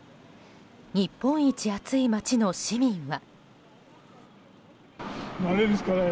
日本一暑い街の市民は。